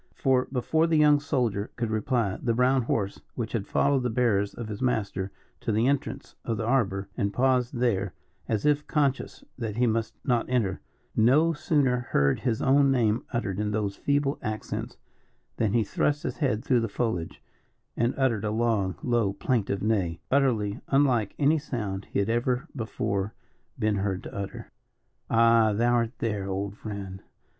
For, before the young soldier could reply, the brown horse, which had followed the bearers of his master to the entrance of the arbour, and paused there, as if conscious that he must not enter, no sooner heard his own name uttered in those feeble accents, than he thrust his head through the foliage and uttered a long, low, plaintive neigh, utterly unlike any sound he had ever before been heard to utter. "Ah! thou art there, old friend.